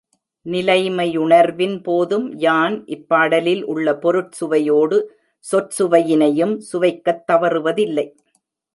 நிலையாமையுணர்வின் போதும், யான், இப்பாடலில் உள்ள பொருட் சுவையோடு சொற்சுவை யினையும் சுவைக்கத் தவறுவதில்லை.